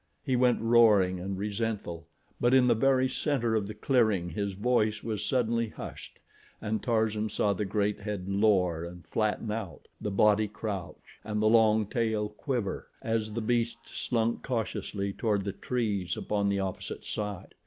He went roaring and resentful; but in the very center of the clearing his voice was suddenly hushed and Tarzan saw the great head lower and flatten out, the body crouch and the long tail quiver, as the beast slunk cautiously toward the trees upon the opposite side.